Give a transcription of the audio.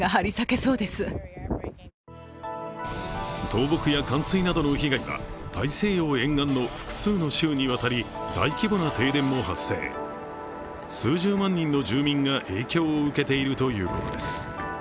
倒木や冠水などの被害が大西洋沿岸の複数の州にわたり大規模な停電も発生、数十万人の住民が影響を受けているということです。